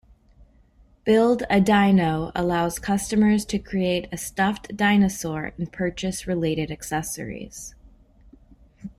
Build-A-Dino allows customers to create a stuffed dinosaur and purchase related accessories.